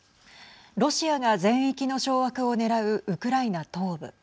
ロシアが全域の掌握をねらうウクライナ東部。